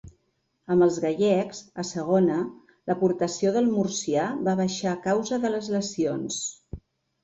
Amb els gallecs, a Segona, l'aportació del murcià va baixar a causa de les lesions.